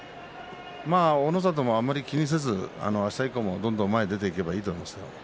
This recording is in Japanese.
大の里もあまり気にせずあした以降も、どんどん前に出ていけばいいと思いますよ。